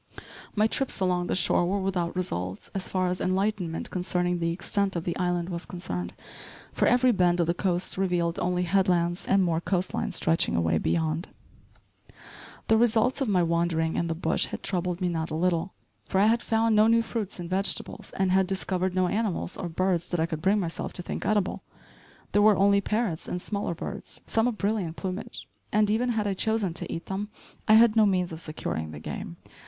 My trips along the shore were without results, so far as enlightenment concerning the extent of the island was concerned, for every bend of the coast revealed only headlands and more coast line stretching away beyond. The results of my wandering in the bush had troubled me not a little, for I had found no new fruits and vegetables, and had discovered no animals, or birds that I could bring myself to think edible. There were only parrots and smaller birds, some of brilliant plumage; and even had I chosen to eat them I had no means of securing the game.